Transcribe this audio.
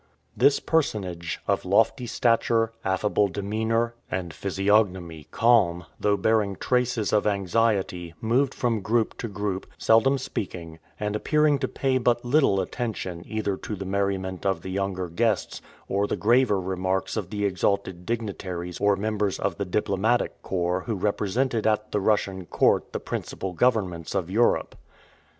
This personage, of lofty stature, affable demeanor, and physiognomy calm, though bearing traces of anxiety, moved from group to group, seldom speaking, and appearing to pay but little attention either to the merriment of the younger guests or the graver remarks of the exalted dignitaries or members of the diplomatic corps who represented at the Russian court the principal governments of Europe.